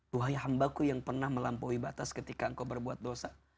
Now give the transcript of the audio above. tuhai hambaku yang pernah melampaui batas ketika engkau berbuat dosa